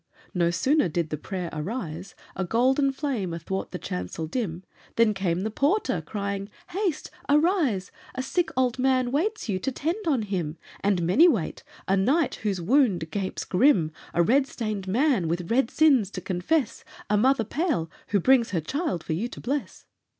no sooner did the prayer arise, A golden flame athwart the chancel dim, Then came the porter crying, "Haste, arise! A sick old man waits you to tend on him; And many wait a knight whose wound gapes grim, A red stained man, with red sins to confess, A mother pale, who brings her child for you to bless".